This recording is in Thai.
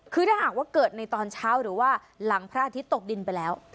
คือถ้าหากว่าเกิดในตอนเช้าหรือว่าหลังพระอาทิตย์ตกดินไปแล้ว